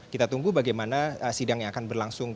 kita tunggu bagaimana sidangnya akan berlangsung